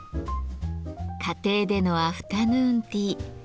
家庭でのアフタヌーンティー。